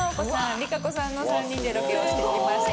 ＲＩＫＡＣＯさんの３人でロケをしてきました。